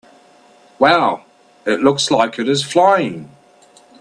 Wow! It looks like it is flying!